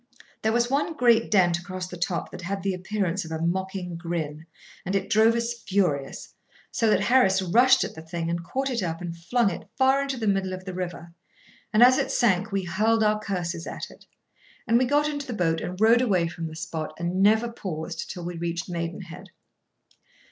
There was one great dent across the top that had the appearance of a mocking grin, and it drove us furious, so that Harris rushed at the thing, and caught it up, and flung it far into the middle of the river, and as it sank we hurled our curses at it, and we got into the boat and rowed away from the spot, and never paused till we reached Maidenhead.